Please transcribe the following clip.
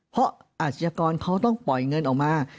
เพราะอาชญากรเขาต้องปล่อยเงินออกมา